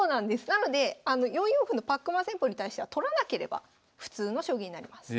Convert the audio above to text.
なので４四歩のパックマン戦法に対しては取らなければ普通の将棋になります。